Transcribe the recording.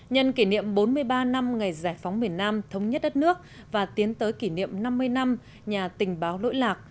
nhân kỷ niệm bốn mươi ba năm ngày giải phóng miền nam thống nhất đất nước và tiến tới kỷ niệm năm mươi năm nhà tình báo nỗi lạc